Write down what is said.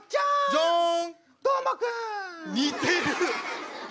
ジャン！